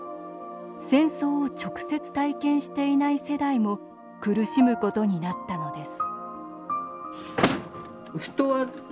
戦争を直接体験していない世代も苦しむことになったのです